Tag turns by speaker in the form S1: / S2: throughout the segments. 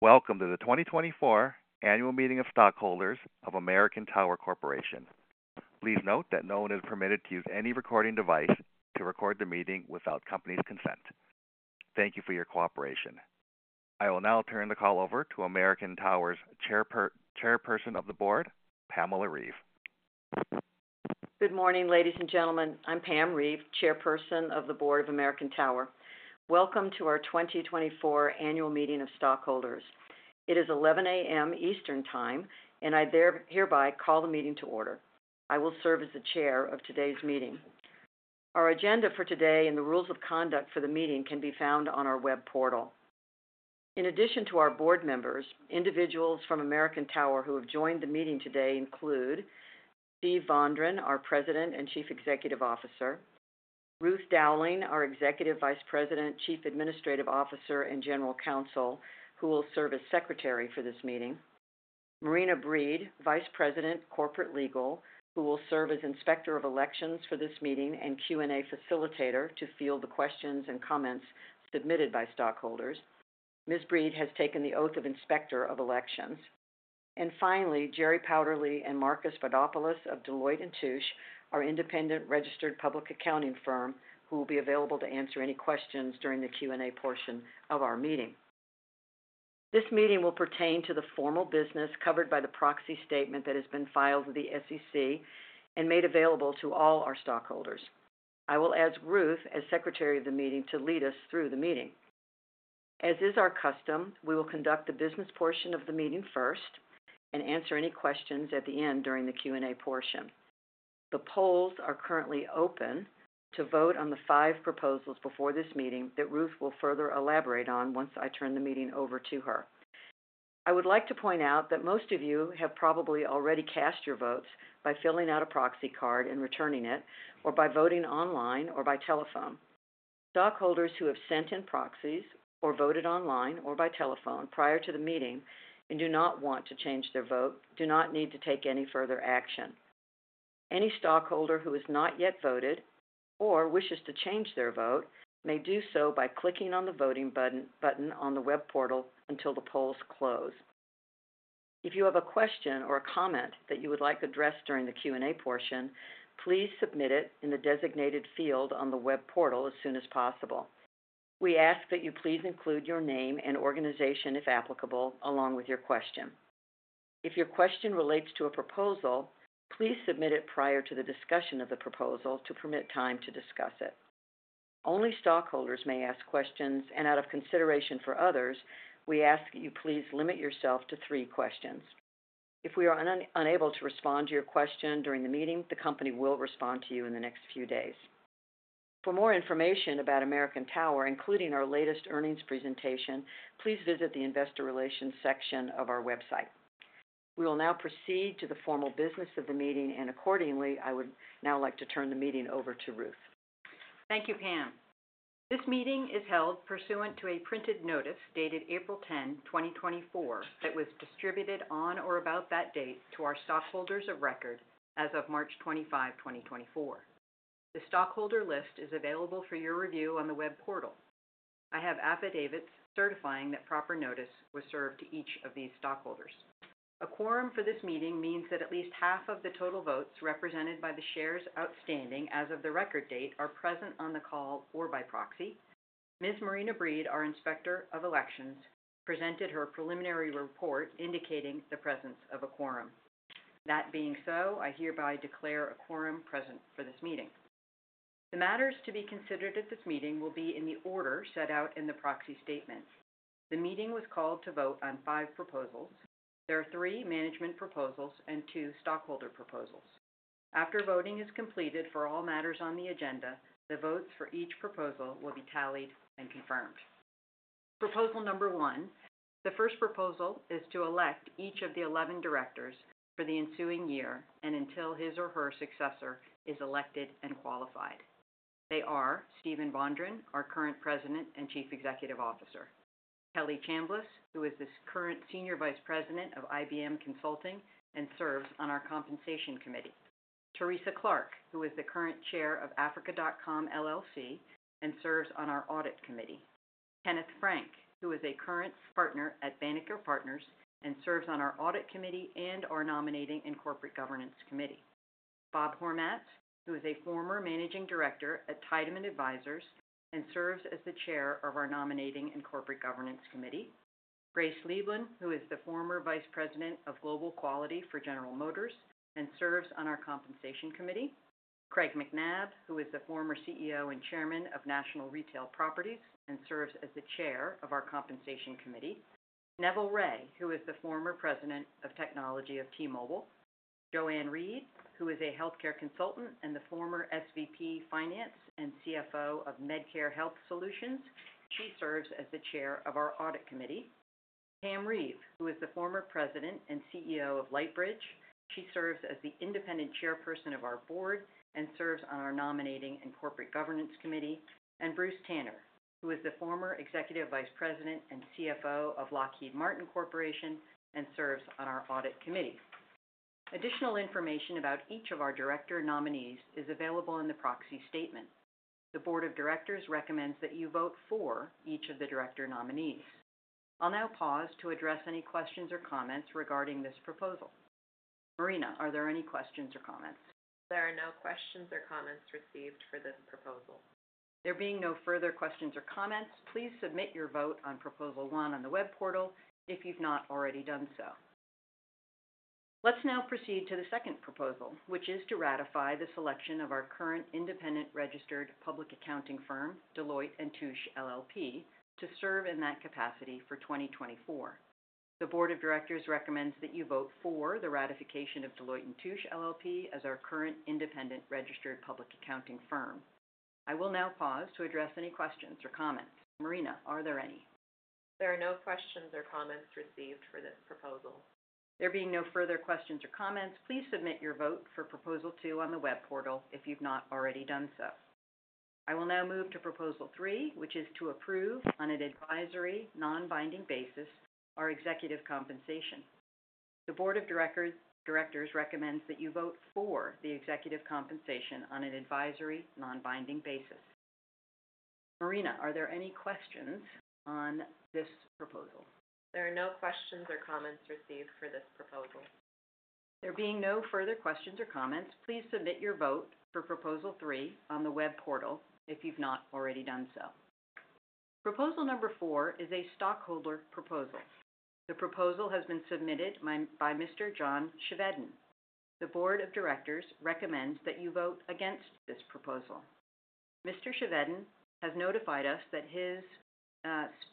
S1: ...Welcome to the 2024 Annual Meeting of Stockholders of American Tower Corporation. Please note that no one is permitted to use any recording device to record the meeting without company's consent. Thank you for your cooperation. I will now turn the call over to American Tower's Chairperson of the Board, Pamela Reeve.
S2: Good morning, ladies and gentlemen. I'm Pamela Reeve, Chairperson of the Board of American Tower. Welcome to our 2024 Annual Meeting of Stockholders. It is 11.00 A.M. Eastern Time, and I hereby call the meeting to order. I will serve as the Chair of today's meeting. Our agenda for today and the rules of conduct for the meeting can be found on our web portal. In addition to our board members, individuals from American Tower who have joined the meeting today include Steven Vondran, our President and Chief Executive Officer, Ruth Dowling, our Executive Vice President, Chief Administrative Officer, and General Counsel, who will serve as Secretary for this meeting. Marina Breed, Vice President, Corporate Legal, who will serve as Inspector of Elections for this meeting and Q&A facilitator to field the questions and comments submitted by stockholders. Ms. Breed has taken the oath of Inspector of Elections. Finally, Jerry Powderly and Marcus Vadopoulos of Deloitte & Touche, our independent registered public accounting firm, who will be available to answer any questions during the Q&A portion of our meeting. This meeting will pertain to the formal business covered by the proxy statement that has been filed with the SEC and made available to all our stockholders. I will ask Ruth, as Secretary of the meeting, to lead us through the meeting. As is our custom, we will conduct the business portion of the meeting first and answer any questions at the end during the Q&A portion. The polls are currently open to vote on the five proposals before this meeting that Ruth will further elaborate on once I turn the meeting over to her. I would like to point out that most of you have probably already cast your votes by filling out a proxy card and returning it, or by voting online or by telephone. Stockholders who have sent in proxies or voted online or by telephone prior to the meeting and do not want to change their vote do not need to take any further action. Any stockholder who has not yet voted or wishes to change their vote may do so by clicking on the voting button on the web portal until the polls close. If you have a question or a comment that you would like addressed during the Q&A portion, please submit it in the designated field on the web portal as soon as possible. We ask that you please include your name and organization, if applicable, along with your question. If your question relates to a proposal, please submit it prior to the discussion of the proposal to permit time to discuss it. Only stockholders may ask questions, and out of consideration for others, we ask that you please limit yourself to three questions. If we are unable to respond to your question during the meeting, the company will respond to you in the next few days. For more information about American Tower, including our latest earnings presentation, please visit the Investor Relations section of our website. We will now proceed to the formal business of the meeting, and accordingly, I would now like to turn the meeting over to Ruth.
S3: Thank you, Pam. This meeting is held pursuant to a printed notice dated April 10th, 2024, that was distributed on or about that date to our stockholders of record as of March 25th, 2024. The stockholder list is available for your review on the web portal. I have affidavits certifying that proper notice was served to each of these stockholders. A quorum for this meeting means that at least half of the total votes, represented by the shares outstanding as of the record date, are present on the call or by proxy. Ms. Marina Breed, our Inspector of Elections, presented her preliminary report indicating the presence of a quorum. That being so, I hereby declare a quorum present for this meeting. The matters to be considered at this meeting will be in the order set out in the proxy statement. The meeting was called to vote on five proposals. There are three management proposals and two stockholder proposals. After voting is completed for all matters on the agenda, the votes for each proposal will be tallied and confirmed. Proposal Number One: The first proposal is to elect each of the 11 directors for the ensuing year and until his or her successor is elected and qualified. They are Steven Vondran, our current President and Chief Executive Officer, Kelly Chambliss, who is the current Senior Vice President of IBM Consulting and serves on our Compensation Committee. Teresa Clarke, who is the current Chair of Africa.com, LLC, and serves on our Audit Committee. Kenneth Frank, who is a current partner at Banneker Partners and serves on our Audit Committee and our Nominating and Corporate Governance Committee. Bob Hormats, who is a former Managing Director at Tiedemann Advisors and serves as the Chair of our Nominating and Corporate Governance Committee. Grace Lieblein, who is the former Vice President of Global Quality for General Motors and serves on our Compensation Committee. Craig MacNab, who is the former CEO and Chairman of National Retail Properties and serves as the Chair of our Compensation Committee. Neville Ray, who is the former President of Technology of T-Mobile. JoAnn Reed, who is a healthcare consultant and the former SVP Finance and CFO of Medco Health Solutions. She serves as the Chair of our Audit Committee. Pamela Reeve, who is the former President and CEO of Lightbridge. She serves as the independent Chairperson of our board and serves on our Nominating and Corporate Governance Committee. And Bruce Tanner, who is the former Executive Vice President and CFO of Lockheed Martin Corporation and serves on our Audit Committee. Additional information about each of our director nominees is available in the proxy statement. The board of directors recommends that you vote for each of the director nominees. I'll now pause to address any questions or comments regarding this proposal. Marina, are there any questions or comments?
S4: There are no questions or comments received for this proposal.
S3: There being no further questions or comments, please submit your vote on Proposal One on the web portal if you've not already done so. Let's now proceed to the Second Proposal, which is to ratify the selection of our current independent registered public accounting firm, Deloitte & Touche LLP, to serve in that capacity for 2024. The Board of Directors recommends that you vote for the ratification of Deloitte & Touche LLP as our current independent registered public accounting firm. I will now pause to address any questions or comments. Marina, are there any?
S4: There are no questions or comments received for this proposal.
S3: There being no further questions or comments, please submit your vote for Proposal Two on the web portal if you've not already done so. I will now move to Proposal Three, which is to approve, on an advisory non-binding basis, our executive compensation. The Board of Directors recommends that you vote for the executive compensation on an advisory non-binding basis. Marina, are there any questions on this proposal?
S4: There are no questions or comments received for this proposal.
S3: There being no further questions or comments, please submit your vote for proposal Three on the web portal if you've not already done so. Proposal Number Four is a stockholder proposal. The proposal has been submitted by Mr. John Cheveden. The board of directors recommends that you vote against this proposal. Mr. Cheveden has notified us that his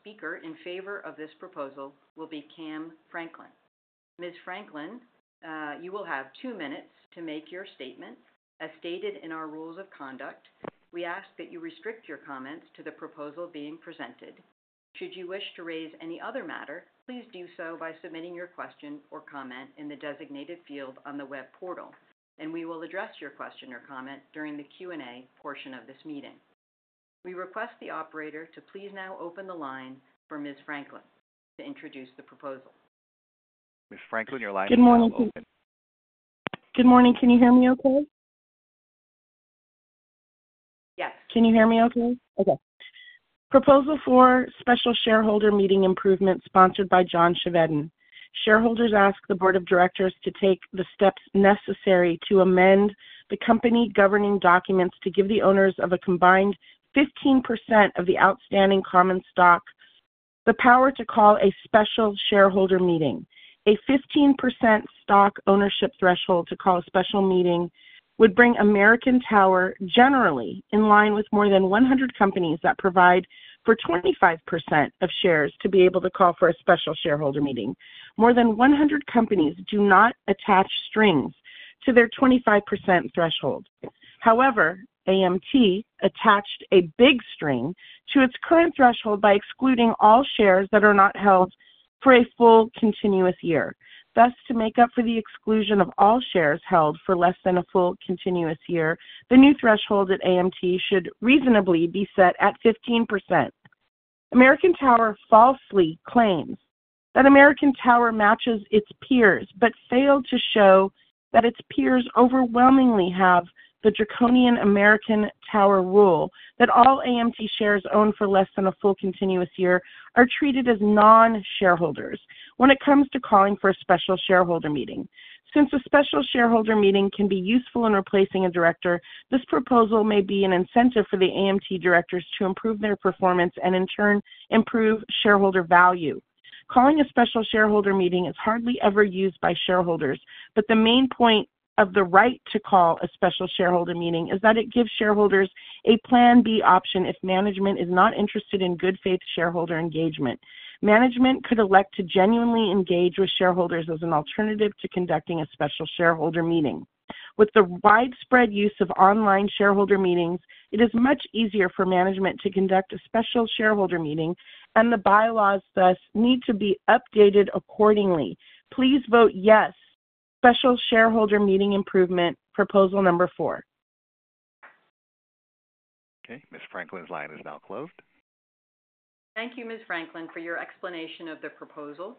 S3: speaker in favor of this proposal will be Cam Franklin. Ms. Franklin, you will have two minutes to make your statement. As stated in our rules of conduct, we ask that you restrict your comments to the proposal being presented. Should you wish to raise any other matter, please do so by submitting your question or comment in the designated field on the web portal, and we will address your question or comment during the Q&A portion of this meeting. We request the operator to please now open the line for Ms. Franklin to introduce the proposal.
S1: Ms. Franklin, your line is now open.
S5: Good morning. Good morning, can you hear me okay?
S3: Yes.
S5: Can you hear me okay? Okay. Proposal for special shareholder meeting improvement, sponsored by John Cheveden. Shareholders ask the board of directors to take the steps necessary to amend the company governing documents to give the owners of a combined 15% of the outstanding common stock, the power to call a special shareholder meeting. A 15% stock ownership threshold to call a special meeting would bring American Tower generally in line with more than 100 companies that provide for 25% of shares to be able to call for a special shareholder meeting. More than 100 companies do not attach strings to their 25% threshold. However, AMT attached a big string to its current threshold by excluding all shares that are not held for a full continuous year. Thus, to make up for the exclusion of all shares held for less than a full continuous year, the new threshold at AMT should reasonably be set at 15%. American Tower falsely claims that American Tower matches its peers, but failed to show that its peers overwhelmingly have the draconian American Tower rule, that all AMT shares owned for less than a full continuous year are treated as non-shareholders when it comes to calling for a special shareholder meeting. Since a special shareholder meeting can be useful in replacing a director, this proposal may be an incentive for the AMT directors to improve their performance and in turn, improve shareholder value. Calling a special shareholder meeting is hardly ever used by shareholders, but the main point of the right to call a special shareholder meeting is that it gives shareholders a plan B option, if management is not interested in good faith shareholder engagement. Management could elect to genuinely engage with shareholders as an alternative to conducting a special shareholder meeting. With the widespread use of online shareholder meetings, it is much easier for management to conduct a special shareholder meeting, and the bylaws thus need to be updated accordingly. Please vote yes, special shareholder meeting improvement, Proposal Number Four.
S1: Okay, Ms. Franklin's line is now closed.
S3: Thank you, Ms. Franklin, for your explanation of the proposal.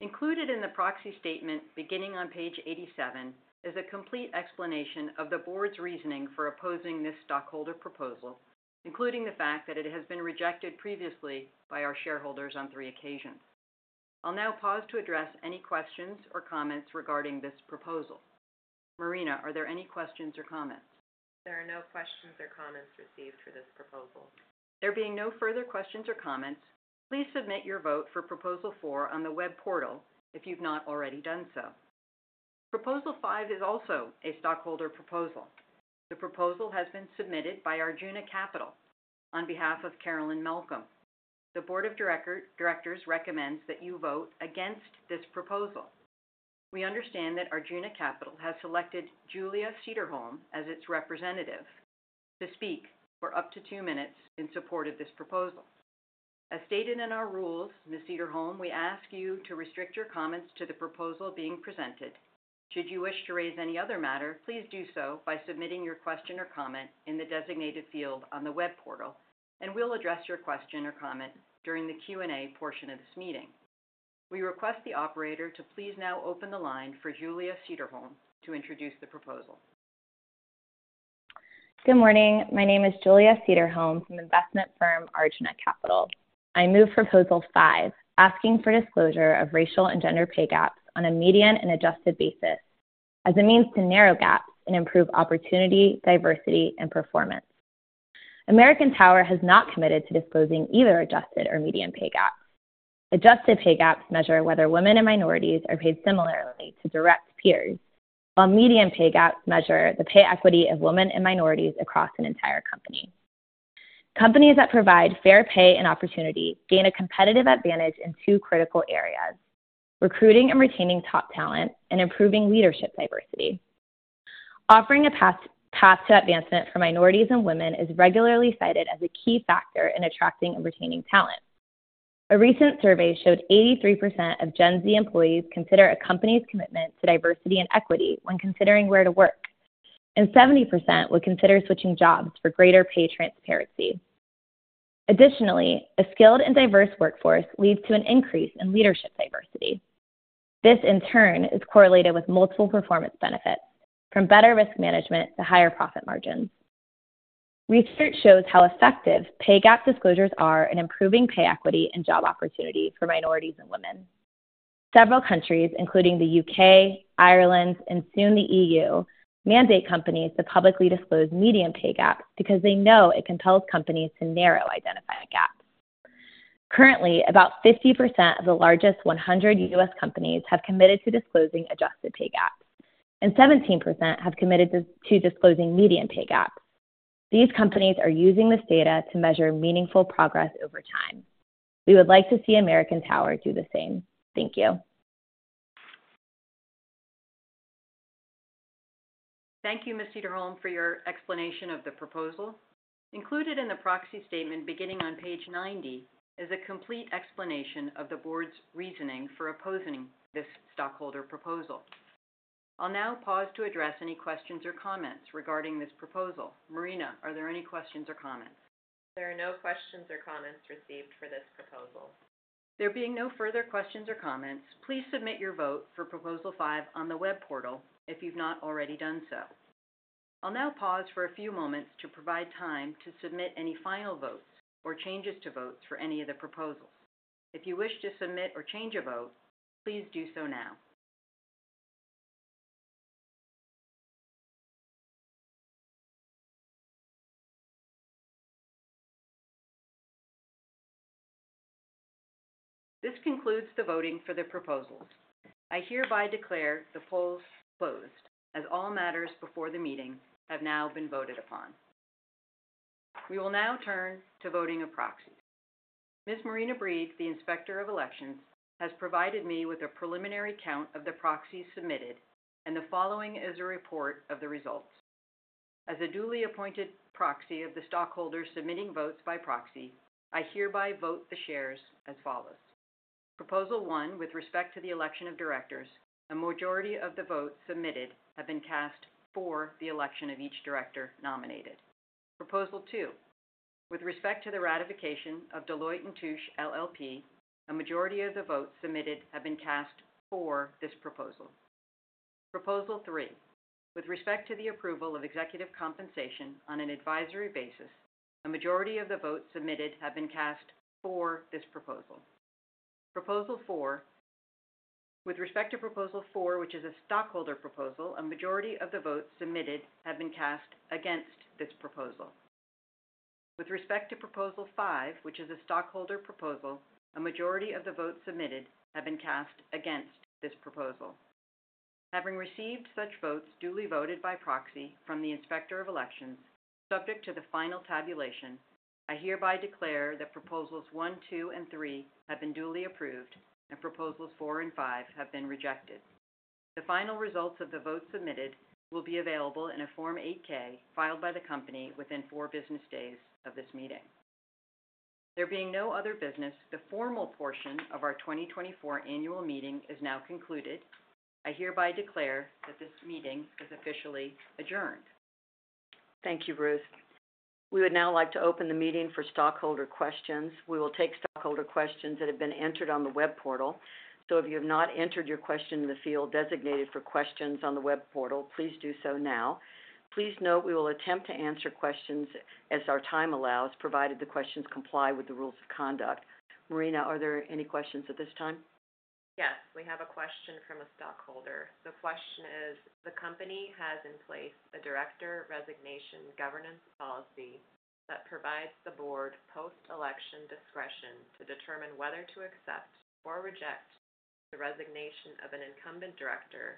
S3: Included in the proxy statement, beginning on page 87, is a complete explanation of the board's reasoning for opposing this stockholder proposal, including the fact that it has been rejected previously by our shareholders on three occasions. I'll now pause to address any questions or comments regarding this proposal. Marina, are there any questions or comments?
S4: There are no questions or comments received for this proposal.
S3: There being no further questions or comments, please submit your vote for Proposal Four on the web portal if you've not already done so. Proposal Five is also a stockholder proposal. The proposal has been submitted by Arjuna Capital on behalf of Carolyn Malcolm. The Board of Directors recommends that you vote against this proposal. We understand that Arjuna Capital has selected Julia Cederholm as its representative to speak for up to two minutes in support of this proposal. As stated in our rules, Ms. Cederholm, we ask you to restrict your comments to the proposal being presented. Should you wish to raise any other matter, please do so by submitting your question or comment in the designated field on the web portal, and we'll address your question or comment during the Q&A portion of this meeting. We request the operator to please now open the line for Julia Cederholm to introduce the proposal....
S6: Good morning. My name is Julia Cederholm from investment firm Arjuna Capital. I move Proposal Five, asking for disclosure of racial and gender pay gaps on a median and adjusted basis as a means to narrow gaps and improve opportunity, diversity, and performance. American Tower has not committed to disclosing either adjusted or median pay gaps. Adjusted pay gaps measure whether women and minorities are paid similarly to direct peers, while median pay gaps measure the pay equity of women and minorities across an entire company. Companies that provide fair pay and opportunity gain a competitive advantage in two critical areas: recruiting and retaining top talent and improving leadership diversity. Offering a path to advancement for minorities and women is regularly cited as a key factor in attracting and retaining talent. A recent survey showed 83% of Gen Z employees consider a company's commitment to diversity and equity when considering where to work, and 70% would consider switching jobs for greater pay transparency. Additionally, a skilled and diverse workforce leads to an increase in leadership diversity. This, in turn, is correlated with multiple performance benefits, from better risk management to higher profit margins. Research shows how effective pay gap disclosures are in improving pay equity and job opportunity for minorities and women. Several countries, including the U.K., Ireland, and soon the E.U., mandate companies to publicly disclose median pay gaps because they know it compels companies to narrow identified gaps. Currently, about 50% of the largest 100 U.S. companies have committed to disclosing adjusted pay gaps, and 17% have committed to disclosing median pay gaps. These companies are using this data to measure meaningful progress over time. We would like to see American Tower do the same. Thank you.
S3: Thank you, Ms. Cederholm, for your explanation of the proposal. Included in the proxy statement, beginning on page 90, is a complete explanation of the board's reasoning for opposing this stockholder proposal. I'll now pause to address any questions or comments regarding this proposal. Marina, are there any questions or comments?
S4: There are no questions or comments received for this proposal.
S3: There being no further questions or comments, please submit your vote for Proposal Five on the web portal if you've not already done so. I'll now pause for a few moments to provide time to submit any final votes or changes to votes for any of the proposals. If you wish to submit or change a vote, please do so now. This concludes the voting for the proposals. I hereby declare the polls closed, as all matters before the meeting have now been voted upon. We will now turn to voting of proxies. Ms. Marina Breed, the Inspector of Elections, has provided me with a preliminary count of the proxies submitted, and the following is a report of the results. As a duly appointed proxy of the stockholders submitting votes by proxy, I hereby vote the shares as follows: Proposal One, with respect to the election of directors, a majority of the votes submitted have been cast for the election of each director nominated. Proposal Two, with respect to the ratification of Deloitte & Touche LLP, a majority of the votes submitted have been cast for this proposal. Proposal Three, with respect to the approval of executive compensation on an advisory basis, a majority of the votes submitted have been cast for this proposal. Proposal Four... With respect to Proposal Four, which is a stockholder proposal, a majority of the votes submitted have been cast against this proposal. With respect to Proposal Five, which is a stockholder proposal, a majority of the votes submitted have been cast against this proposal. Having received such votes duly voted by proxy from the Inspector of Elections, subject to the final tabulation, I hereby declare that Proposals One, Two, and Three have been duly approved and Proposals Four and Five have been rejected. The final results of the votes submitted will be available in a Form 8-K filed by the company within four business days of this meeting. There being no other business, the formal portion of our 2024 Annual Meeting is now concluded. I hereby declare that this meeting is officially adjourned.
S2: Thank you, Ruth. We would now like to open the meeting for stockholder questions. We will take stockholder questions that have been entered on the web portal. So if you have not entered your question in the field designated for questions on the web portal, please do so now. Please note we will attempt to answer questions as our time allows, provided the questions comply with the rules of conduct. Marina, are there any questions at this time?
S4: Yes, we have a question from a stockholder. The question is: The company has in place a director resignation governance policy that provides the board post-election discretion to determine whether to accept or reject the resignation of an incumbent director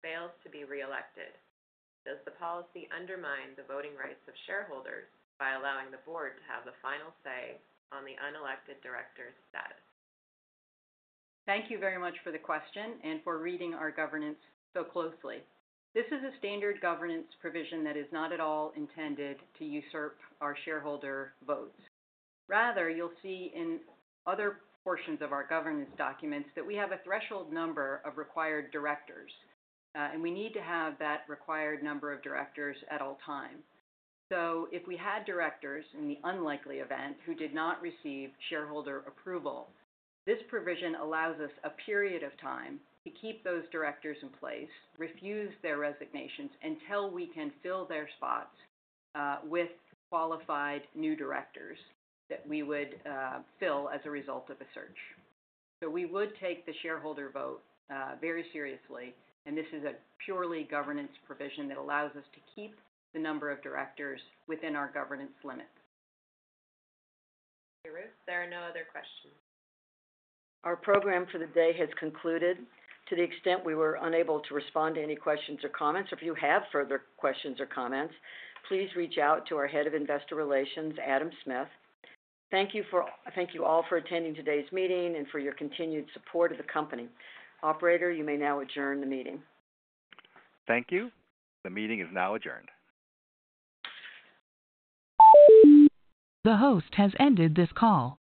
S4: who fails to be reelected. Does the policy undermine the voting rights of shareholders by allowing the board to have the final say on the unelected director's status?
S3: Thank you very much for the question and for reading our governance so closely. This is a standard governance provision that is not at all intended to usurp our shareholder votes. Rather, you'll see in other portions of our governance documents that we have a threshold number of required directors, and we need to have that required number of directors at all times. So if we had directors, in the unlikely event, who did not receive shareholder approval, this provision allows us a period of time to keep those directors in place, refuse their resignations until we can fill their spots, with qualified new directors that we would fill as a result of a search. So we would take the shareholder vote very seriously, and this is a purely governance provision that allows us to keep the number of directors within our governance limits.
S4: Thank you, Ruth. There are no other questions.
S2: Our program for the day has concluded. To the extent we were unable to respond to any questions or comments, if you have further questions or comments, please reach out to our Head of Investor Relations, Adam Smith. Thank you all for attending today's meeting and for your continued support of the company. Operator, you may now adjourn the meeting.
S1: Thank you. The meeting is now adjourned. The host has ended this call.